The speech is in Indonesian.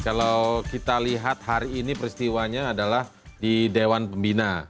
kalau kita lihat hari ini peristiwanya adalah di dewan pembina